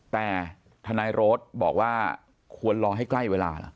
แต่ทนายโรธบอกว่าควรรอให้ใกล้เวลาเหรอ